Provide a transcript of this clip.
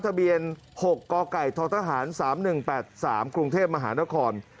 ทะเบียน๖กกททหาร๓๑๘๓กรุงเทพมหานคร